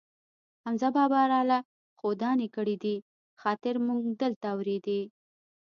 حمزه بابا را له ښودانې کړی دي، خاطر مونږ دلته اورېدی.